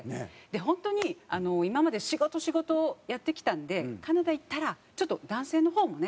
本当に今まで仕事仕事やってきたんでカナダ行ったらちょっと男性の方もね。